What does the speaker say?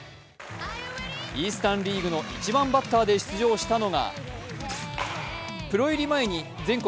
イースタン・リーグの１番バッターで出場たのが、プロ入り前に「全国！